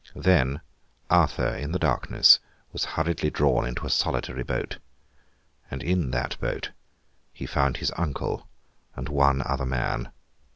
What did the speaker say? Then, Arthur, in the darkness, was hurriedly drawn into a solitary boat. And in that boat, he found his uncle and one other man.